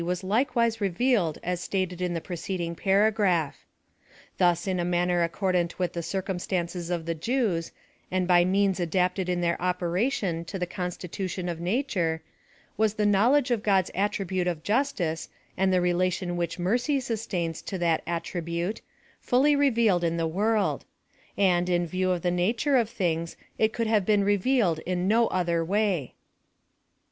s like wise revealed as stated in the preceding paragraph. Thus in a manner accordant with the circumstances of the Jews, and by means adapted in their opera tion to the constitution of nature, was tiie know ledge of God's attribute of Justice, and the relation which Mercy sustains to that attribute, fully revealed in the world ; and, in view of the nature of things it could have been revealed in no other way.